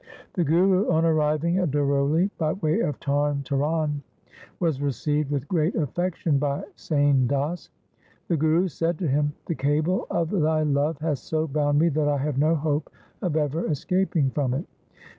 The Guru, on arriving at Daroli by way of Tarn Taran was received with great affection by Sain Das. The Guru said to him, ' The cable of thy love hath so bound me that I have no hope of ever escaping from it.'